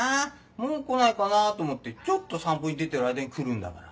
もう来ないかなぁと思ってちょっと散歩に出てる間に来るんだから。